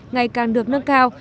ngày càng được nâng cao